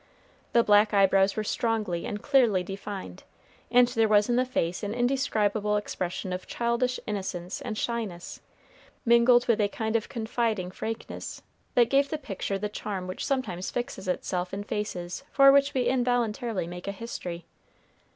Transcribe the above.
The black eyebrows were strongly and clearly defined, and there was in the face an indescribable expression of childish innocence and shyness, mingled with a kind of confiding frankness, that gave the picture the charm which sometimes fixes itself in faces for which we involuntarily make a history.